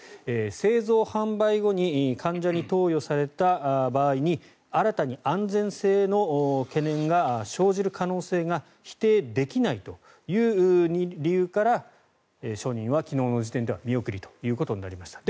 製造・販売後に患者に投与された場合に新たに安全性の懸念が生じる可能性が否定できないという理由から承認は昨日の時点では見送りということになりました。